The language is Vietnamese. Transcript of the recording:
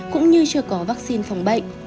cũng như chưa có vaccine phòng bệnh